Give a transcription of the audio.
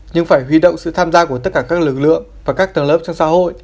nhưng phải huy động sự tham gia của tất cả các lực lượng và các tầng lớp trong xã hội